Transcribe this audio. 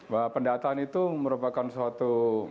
bahwa pendataan itu merupakan suatu